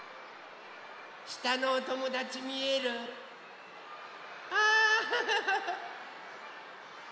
したのおともだちみえる？あハハハハ。